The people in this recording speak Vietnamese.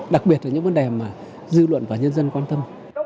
đặc biệt là những vấn đề mà dư luận và nhân dân quan tâm